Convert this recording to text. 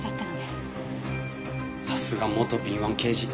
さすが元敏腕刑事。